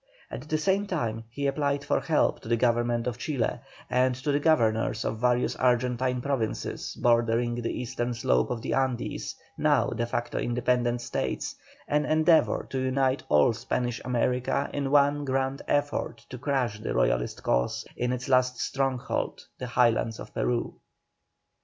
At the same time he applied for help to the Government of Chile, and to the governors of the various Argentine Provinces, bordering the eastern slopes of the Andes, now de facto independent States, an endeavour to unite all Spanish America in one grand effort to crush the Royalist cause in its last stronghold, the Highlands of Peru.